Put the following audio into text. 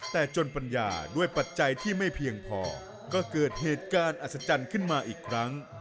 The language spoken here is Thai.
แต่จนปัญญาด้วยปัจจัยที่ไม่เพียงพอก็เกิดเหตุการณ์อัศจรรย์ขึ้นมาอีกครั้ง